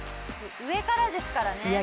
上からですからね。